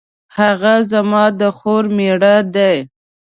هغه زما د خور میړه دی